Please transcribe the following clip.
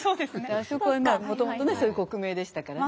あそこはまあもともとねそういう国名でしたからね。